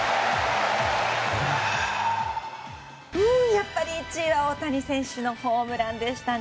やっぱり１位は大谷選手のホームランでしたね。